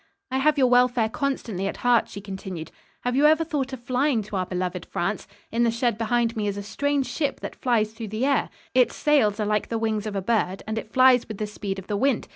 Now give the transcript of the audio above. "I have your welfare constantly at heart," she continued. "Have you ever thought of flying to our beloved France? In the shed behind me is a strange ship that flies through the air. Its sails are like the wings of a bird, and it flies with the speed of the wind.